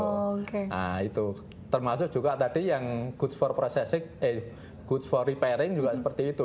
nah itu termasuk juga tadi yang goods for repairing juga seperti itu